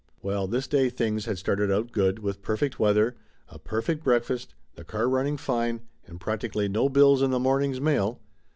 Well, this day things had started out good, with perfect weather, a perfect breakfast, the car running fine, and practically no bills in the morning's mail.